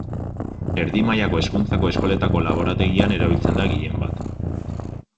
Erdi mailako hezkuntzako eskoletako laborategian erabiltzen da gehienbat.